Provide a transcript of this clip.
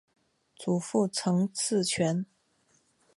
祖父陈赐全。